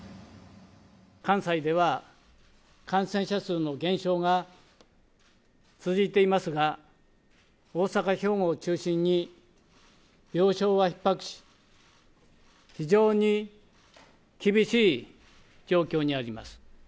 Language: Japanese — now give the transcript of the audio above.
関西では感染者数の減少が続いていますが、大阪、兵庫を中心に病床はひっ迫し、非常に厳しい状況にあります。